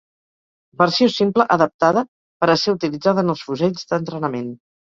Versió simple adaptada per a ser utilitzada en els fusells d'entrenament.